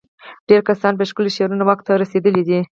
ډېری کسان په ښکلو شعارونو واک ته رسېدلي دي.